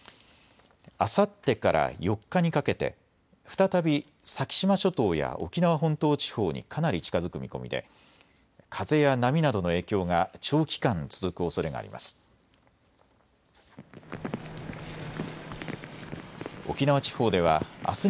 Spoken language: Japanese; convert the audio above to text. あさってから４日にかけて再び先島諸島や沖縄本島地方にかなり近づく見込みで風や波などの影響が長期間、続くおそれがあります。